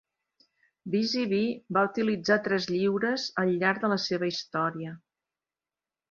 Busy Bee va utilitzar tres lliurees al llarg de la seva història.